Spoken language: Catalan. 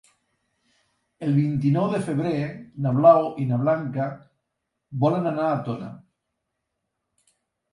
El vint-i-nou de febrer na Blau i na Blanca volen anar a Tona.